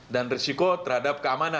dan risiko terhadap keamanan